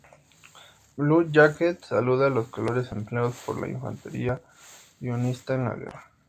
Blue Jackets alude a los colores empleados por la infantería unionista en la Guerra.